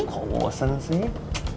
gak bosen sih